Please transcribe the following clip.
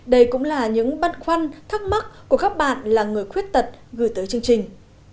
đây cũng là những băn khoăn thắc mắc của các bạn là người khuyết tật gửi tới chương trình